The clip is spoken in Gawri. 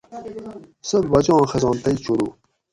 ست باچاں خزان تئ چھورو